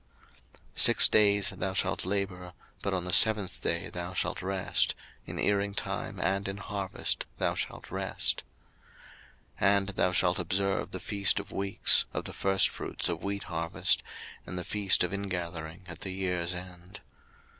02:034:021 Six days thou shalt work, but on the seventh day thou shalt rest: in earing time and in harvest thou shalt rest. 02:034:022 And thou shalt observe the feast of weeks, of the firstfruits of wheat harvest, and the feast of ingathering at the year's end.